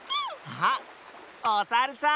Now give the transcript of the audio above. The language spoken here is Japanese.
あっおさるさん。